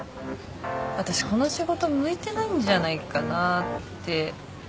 私この仕事向いてないんじゃないかなって。